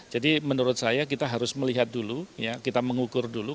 jadi menurut saya kita harus melihat dulu kita mengukur dulu